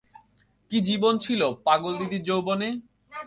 কী জীবন ছিল পাগলদিদির যৌবনে?